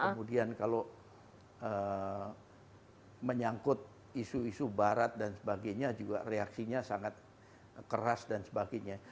kemudian kalau menyangkut isu isu barat dan sebagainya juga reaksinya sangat keras dan sebagainya